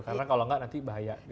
karena kalau enggak nanti bahaya gitu